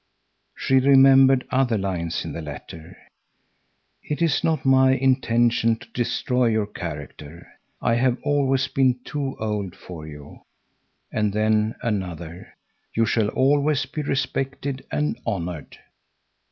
She remembered other lines in the letter: "It is not my intention to destroy your character. I have always been too old for you." And then another: "You shall always be respected and honored.